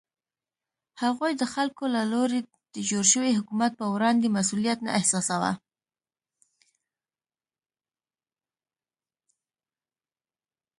هغوی د خلکو له لوري د جوړ شوي حکومت په وړاندې مسوولیت نه احساساوه.